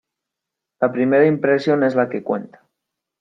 La primera impresión es la que cuenta.